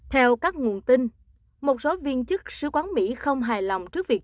theo các nguồn tin một số viên chức sứ quán mỹ không hài lòng trước việc